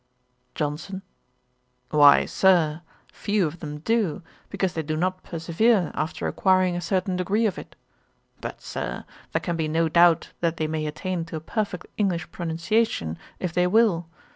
JOHNSON. 'Why, Sir, few of them do, because they do not persevere after acquiring a certain degree of it. But, Sir, there can be no doubt that they may attain to a perfect English pronunciation, if they will.